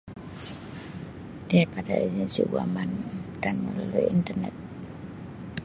daripada ini cikgu aman dan melalui internet